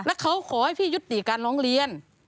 แล้วเขาขอให้พี่ยุติการร้องเรียน